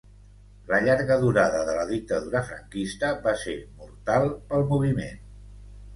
La llarga durada de la dictadura franquista va ser “mortal” pel moviment.